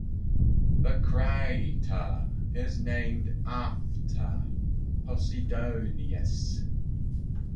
The crater is named after Posidonius.